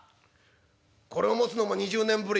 これを持つのも２０年ぶり」。